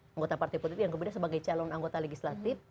anggota partai politik yang kemudian sebagai calon anggota legislatif